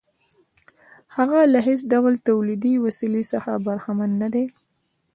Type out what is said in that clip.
هغه له هېڅ ډول تولیدي وسیلې څخه برخمن نه دی